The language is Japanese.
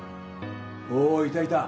おぉいたいた。